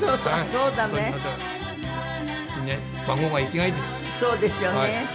そうですよね。